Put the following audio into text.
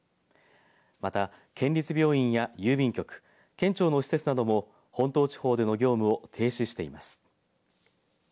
また県立病院や郵便局県庁の施設なども本島地方での業務を停止しています。